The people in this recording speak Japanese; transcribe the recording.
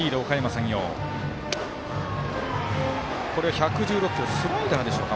１１６キロスライダーでしょうか。